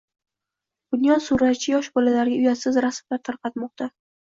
Bunyod suratchi yosh bolalarga uyatsiz rasmlar tarqatmoqda